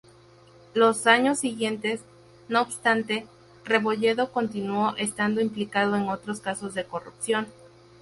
Los años siguientes, no obstante, Rebolledo continuó estando implicado en otros casos de corrupción.